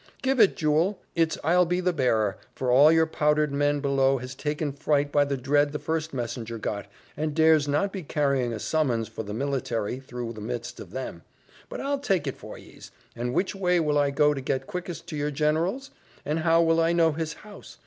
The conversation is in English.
"Give it, jewel! It's I'll be the bearer; for all your powdered men below has taken fright by the dread the first messenger got, and dares not be carrying a summons for the military through the midst of them: but I'll take it for yees and which way will I go to get quickest to your general's? and how will I know his house?